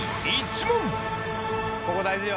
ここ大事よ